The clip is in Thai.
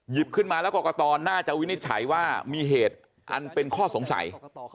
ขึ้นมาแล้วกรกตน่าจะวินิจฉัยว่ามีเหตุอันเป็นข้อสงสัย